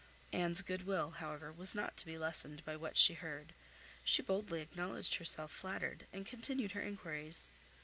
Anne's good will, however, was not to be lessened by what she heard. She boldly acknowledged herself flattered, and continued her enquiries.